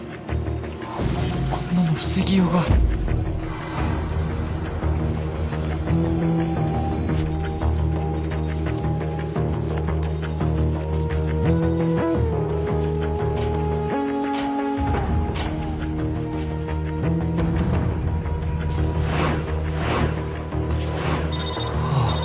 こんなの防ぎようがあ